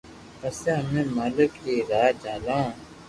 پسي امي مالڪ ري راہ جالو